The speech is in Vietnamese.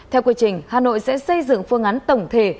theo quy trình hà nội sẽ xây dựng phương án tổng thể